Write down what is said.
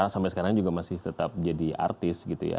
sampai sekarang juga masih tetap jadi artis gitu ya